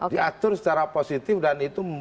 diatur secara positif dan itu